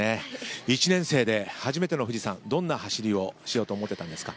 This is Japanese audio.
１年生で初めての富士山どんな走りをしようと思いましたか。